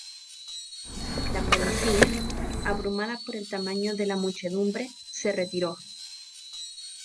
La policía, abrumada por el tamaño de la muchedumbre, se retiró.